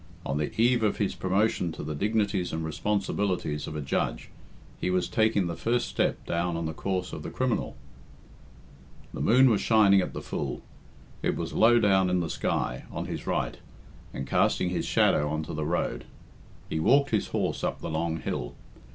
On the eve of his promotion to the dignities and responsibilities of a Judge, he was taking the first step down on the course of the criminal! The moon was shining at the full. It was low down in the sky, on his right, and casting his shadow on to the road. He walked his horse up the long hill.